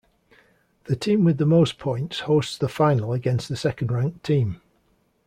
The team with the most points hosts the final against the second-ranked team.